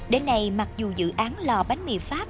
đến nay mặc dù dự án lò bánh mì pháp